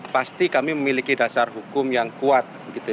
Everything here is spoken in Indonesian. pasti kami memiliki dasar hukum yang kuat